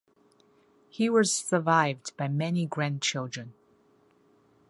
He was survived by many grandchildren.